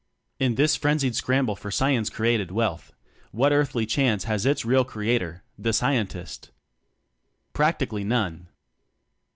In this frenzied scramble for science created wealth what earthly chance has its real creator the scientist? Practically none!